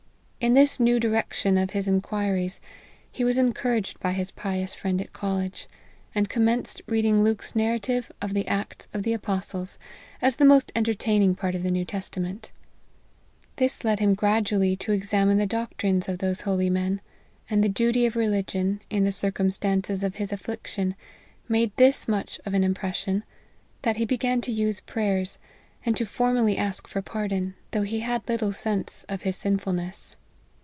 In this new direction of his inquiries he was encouraged by his pious friend at college, and commenced reading Luke's narrative of the Acts of the Apostles, as the most entertaining part of the New Testa ment. This led him gradually to examine the doctrines of those holy men ; and the duty of religion, in the circumstances of his affliction, made this much of an impression, that he began to use prayers, and to ask formally for pardon, though he LIFE OF HENRY MARTYN. 11 had little sense of his sinfulness.